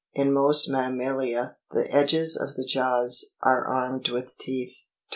In most mammalia the edges of the jaws are armed with teeth. 27.